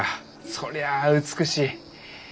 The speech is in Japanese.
そりゃあ美しい。